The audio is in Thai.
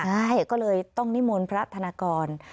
ใช่ก็เลยต้องนิมนต์พระธนากร